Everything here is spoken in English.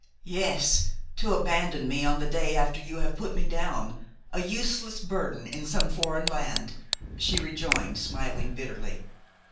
"Yes, to abandon me on the day after you have put me down, a useless burden, in some foreign land!" she rejoined, smiling bitterly.